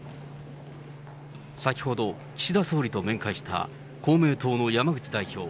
先ほど、岸田総理と面会した公明党の山口代表。